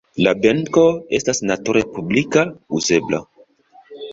La benko estas nature publika, uzebla.